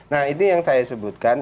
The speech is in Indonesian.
nah ini yang saya sebutkan